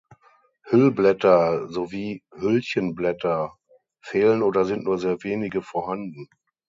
Hüllblätter sowie Hüllchenblätter fehlen oder sind nur sehr wenige vorhanden.